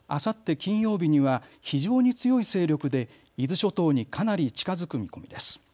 金曜日には非常に強い勢力で伊豆諸島にかなり近づく見込みです。